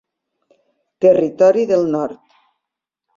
Territori del Nord.